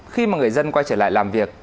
khi mà người dân quay trở lại làm việc